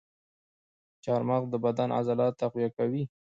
چارمغز د بدن عضلات تقویه کوي.